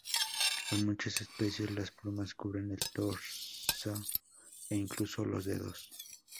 En muchas especies las plumas cubren el tarso e incluso los dedos.